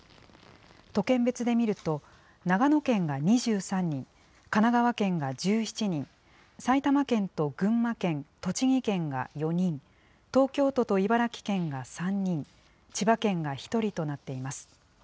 都県別で見ると、長野県が２３人、神奈川県が１７人、埼玉県と群馬県、栃木県が４人、東京都と茨城県が３人、千葉県が１人となっています。